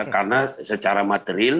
karena secara materil